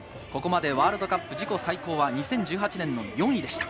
ワールドカップ自己最高は２０１８年の４位でした。